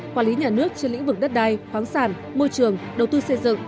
quản lý nhà nước trên lĩnh vực đất đai khoáng sản môi trường đầu tư xây dựng